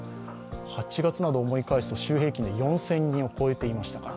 ８月などを思い返すと週平均で４０００人を超えていましたから